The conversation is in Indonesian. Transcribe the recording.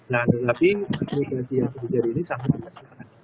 nah tapi aktivitas yang terjadi ini sangat berhasil